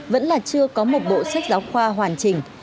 vẫn là chưa có một bộ sách giáo khoa hoàn chỉnh